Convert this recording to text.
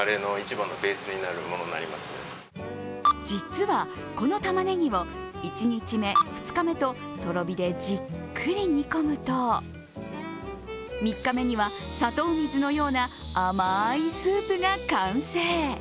実はこのたまねぎを１日目、２日目ととろ火でじっくり煮込むと３日目には砂糖水のような甘いスープが完成。